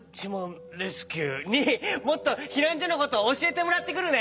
レスキューにもっとひなんじょのことをおしえてもらってくるね！